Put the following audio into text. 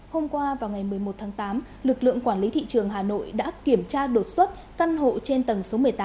hôm qua vào ngày một mươi một tháng tám lực lượng quản lý thị trường hà nội đã kiểm tra đột xuất căn hộ trên tầng số một mươi tám